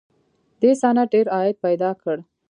دې صنعت ډېر عاید پیدا کړ